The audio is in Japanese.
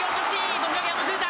土俵際もつれた。